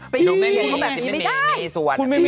ไปอยู่เมเมเขาแบบนี้ไม่ได้